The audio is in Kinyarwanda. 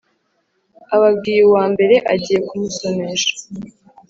ababwiye uwambere agiye kumusomesha